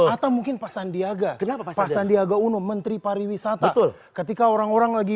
atau mungkin pak sandiaga kenapa pak sandiaga uno menteri pariwisata ketika orang orang lagi